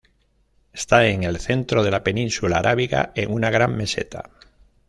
Está en el centro de la península arábiga, en una gran meseta.